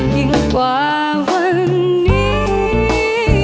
ยิ่งกว่าวันนี้